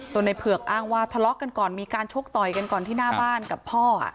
ในเผือกอ้างว่าทะเลาะกันก่อนมีการชกต่อยกันก่อนที่หน้าบ้านกับพ่อ